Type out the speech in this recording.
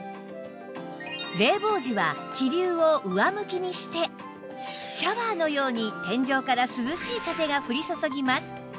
冷房時は気流を上向きにしてシャワーのように天井から涼しい風が降り注ぎます